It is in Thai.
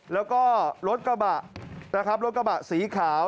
แล้วก็รถกระบะนะครับรถกระบะสีขาว